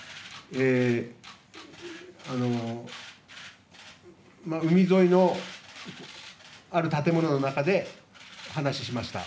えー、あの海沿いのある建物の中で話ししました。